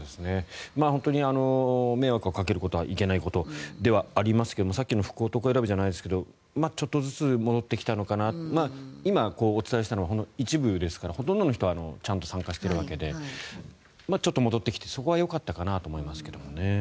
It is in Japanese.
本当に迷惑をかけることはいけないことではありますがさっきの福男選びじゃないですがちょっとずつ戻ってきたのかなと今、お伝えしたのはほんの一部ですからほとんどの人はちゃんと参加しているわけでちょっと戻ってきてそこはよかったかなと思いますけどね。